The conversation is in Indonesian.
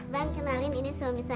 bang kenalin ini suami saya